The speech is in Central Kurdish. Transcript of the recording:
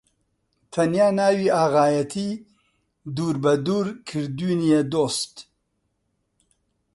تەنیا ناوی ئاغایەتی دوور بە دوور کردوونیە دۆست!